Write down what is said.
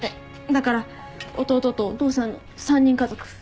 だから弟とお父さんの３人家族。